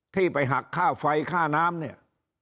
ที่ไปหักค่าไฟค่าน้ำเนี่ย